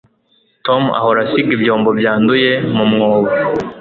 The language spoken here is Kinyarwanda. tom ahora asiga ibyombo byanduye mumwobo